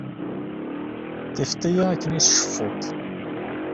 Tifeḍ-iyi akken ay tceffuḍ.